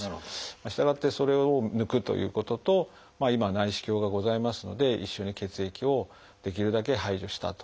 従ってそれを抜くということと今は内視鏡がございますので一緒に血液をできるだけ排除したということになります。